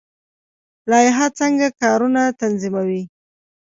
لایحه څنګه کارونه تنظیموي؟